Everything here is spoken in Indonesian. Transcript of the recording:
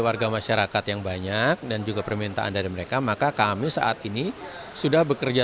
warga masyarakat yang banyak dan juga permintaan dari mereka maka kami saat ini sudah bekerja